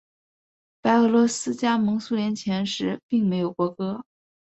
白俄罗斯加盟苏联前时并没有国歌。